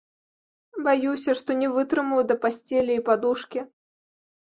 Баюся, што не вытрымаю да пасцелі і падушкі.